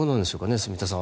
住田さん。